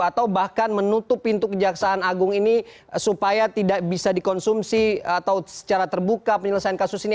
atau bahkan menutup pintu kejaksaan agung ini supaya tidak bisa dikonsumsi atau secara terbuka penyelesaian kasus ini